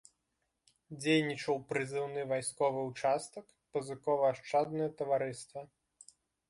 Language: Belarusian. Дзейнічаў прызыўны вайсковы ўчастак, пазыкова-ашчаднае таварыства.